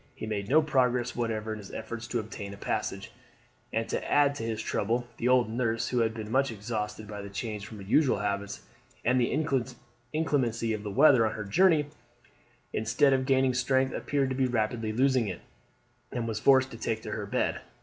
He made no progress whatever in his efforts to obtain a passage; and to add to his trouble the old nurse, who had been much exhausted by the change from her usual habits, and the inclemency of the weather on her journey, instead of gaining strength appeared to be rapidly losing it, and was forced to take to her bed.